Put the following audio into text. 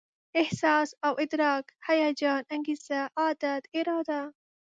احساس او ادراک، هيجان، انګېزه، عادت، اراده